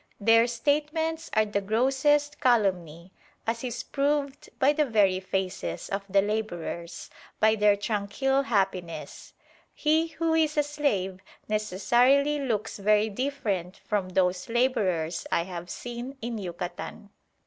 Their statements are the grossest calumny, as is proved by the very faces of the labourers, by their tranquil happiness. He who is a slave necessarily looks very different from those labourers I have seen in Yucatan."